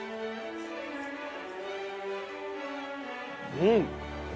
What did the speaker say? うん！